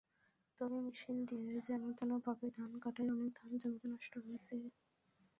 তবে মেশিন দিয়ে যেনতেনভাবে ধান কাটায় অনেক ধান জমিতে নষ্ট হয়েছে।